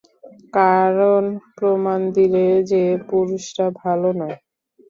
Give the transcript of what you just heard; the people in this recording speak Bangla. কারন প্রমাণ দিলে যে, পুরুষরা ভাল নয়।